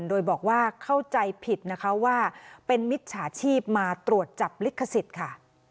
โดยบอกว่าเข้าใจผิดนะคะว่าเป็นมิจฉาชีพมาตรวจจับลิขสิทธิ์ค่ะ